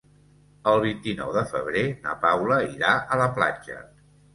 El vint-i-nou de febrer na Paula irà a la platja.